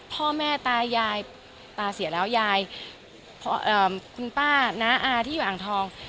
พ่อแม่ตายายตาเสียแล้วยายคุณป้าน้าอาที่อยู่อ่างทอง